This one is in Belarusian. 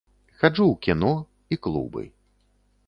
Хаджу ў кіно і клубы.